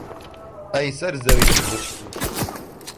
ئەی سەر زەوی پڕ و پووچ